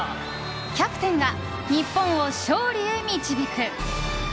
キャプテンが日本を勝利へ導く！